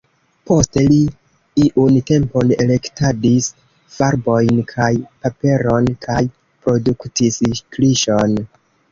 Poste li iun tempon elektadis farbojn kaj paperon kaj produktis kliŝon.